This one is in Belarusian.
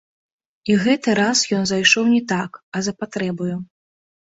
І гэты раз ён зайшоў не так, а за патрэбаю.